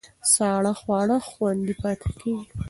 ساړه خواړه خوندي پاتې کېږي.